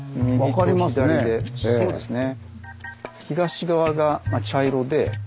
東側が茶色で。